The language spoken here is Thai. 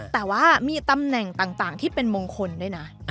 แต่ว่ามีตำแหน่งต่างที่เป็นมงคลด้วยนะ